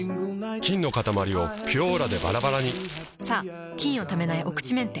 菌のかたまりを「ピュオーラ」でバラバラにさぁ菌をためないお口メンテ。